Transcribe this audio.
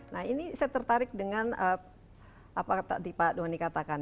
nah ini saya tertarik dengan apa tadi pak doni katakan